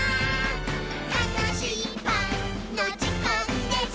「たのしいパンのじかんです！」